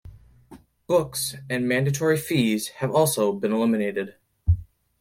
Books and mandatory fees have also been eliminated.